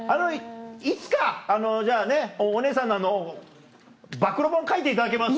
いつかじゃあねお姉さんの暴露本書いていただけます？